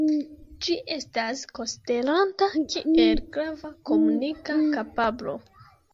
Ĝi estas konsiderata kiel grava komunika kapablo.